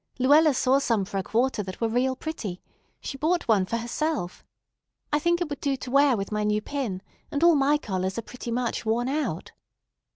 Luella saw some for a quarter that were real pretty. She bought one for herself. I think it would do to wear with my new pin, and all my collars are pretty much worn out."